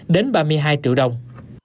đến ba mươi hai triệu đồng